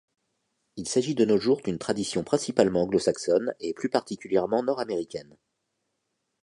Il s'agit de nos jours d'une tradition principalement anglo-saxonne, et plus particulièrement nord-américaine.